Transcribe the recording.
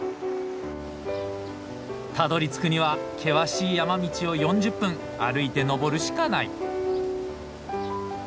たどりつくには険しい山道を４０分歩いて登るしかない。